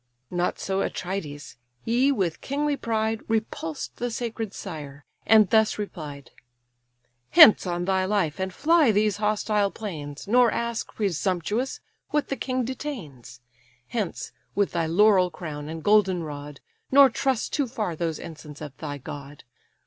Not so Atrides; he, with kingly pride, Repulsed the sacred sire, and thus replied: "Hence on thy life, and fly these hostile plains, Nor ask, presumptuous, what the king detains: Hence, with thy laurel crown, and golden rod, Nor trust too far those ensigns of thy god.